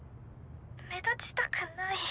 目立ちたくない。